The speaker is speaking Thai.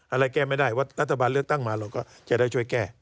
อะไรแก้ไม่ได้ว่ารัฐบาลเลือกตั้งมาเราก็จะได้ช่วยแก้